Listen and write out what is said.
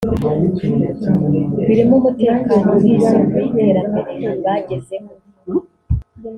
birimo umutekano nk’isoko y’iterambere bagezeho